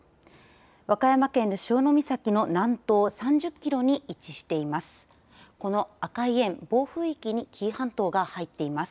和歌山県の潮岬の南東３０キロに位置しています。